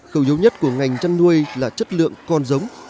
khâu yếu nhất của ngành chăn nuôi là chất lượng con giống